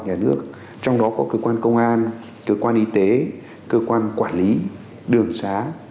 nhà nước trong đó có cơ quan công an cơ quan y tế cơ quan quản lý đường xá